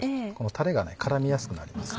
たれが絡みやすくなります。